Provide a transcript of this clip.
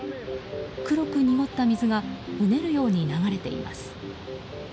黒く濁った水がうねるように流れています。